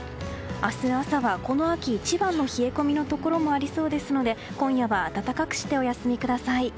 明日朝はこの秋一番の冷え込みのところもありそうですので今夜は暖かくしてお休みください。